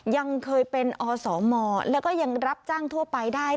ยังเคยเป็นอสมแล้วก็ยังรับจ้างทั่วไปได้